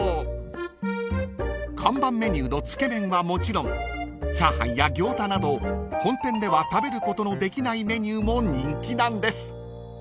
［看板メニューのつけ麺はもちろんチャーハンや餃子など本店では食べることのできないメニューも人気なんです］